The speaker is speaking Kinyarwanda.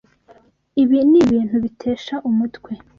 Ibi ni ibintu bitesha umutwe.